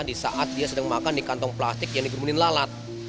di saat dia sedang makan di kantong plastik yang digerumunin lalat